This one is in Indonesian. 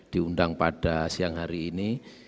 diundang pada siang hari ini